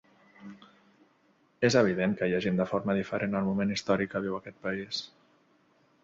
És evident que llegim de forma diferent el moment històric que viu aquest país.